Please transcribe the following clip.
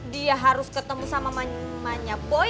dia harus ketemu sama mamanya boy